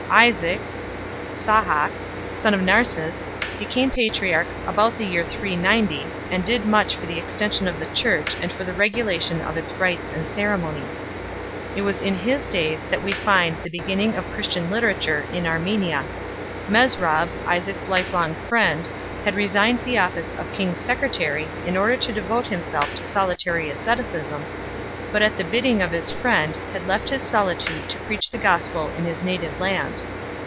Isaac (Sahak), son of Narses, became patriarch about the year 390, and did much for the extension of the Church and for the regula tion of its rites and ceremonies. It was in his days that we find the beginning of Christian literature in Armenia. Mesrob, Isaac s lifelong friend, had resigned the office of king s secretary in order to devote himself to solitary asceticism, but at the bidding of his friend had left his solitude to preach the Gospel in his native land.